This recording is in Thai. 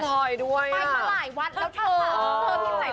ไปแต่น้องพลอยด้วย